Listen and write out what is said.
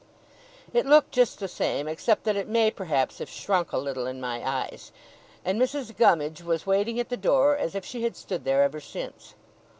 It looked just the same, except that it may, perhaps, have shrunk a little in my eyes; and Mrs. Gummidge was waiting at the door as if she had stood there ever since.